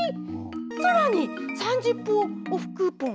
さらに３０パーセントオフクーポン。